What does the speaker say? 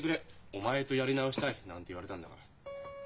お前とやり直したい」なんて言われたんだから。